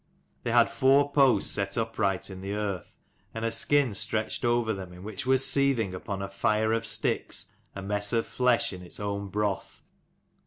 They had four posts set upright in the earth, and a skin stretched over them in which was seething upon a fire of sticks a mess of flesh in its own broth.